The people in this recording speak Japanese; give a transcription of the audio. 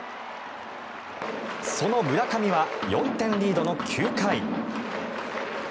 その村上は４点リードの９回。